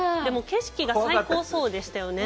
景色が最高そうでしたよね。